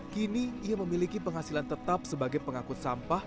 kini ia memiliki penghasilan tetap sebagai pengangkut sampah